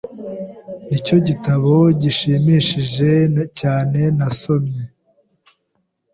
Nicyo gitabo gishimishije cyane nasomye.